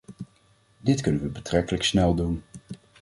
Dit kunnen we betrekkelijk snel doen.